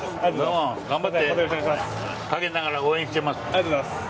ありがとうございます。